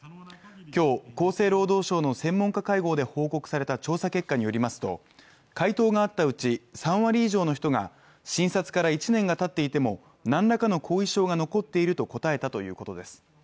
今日、厚生労働省の専門家会合で報告された調査結果によりますと回答があったうち３割以上の人が診察から１年がたっていても、何らかの後遺症が残っていたと答えたということです。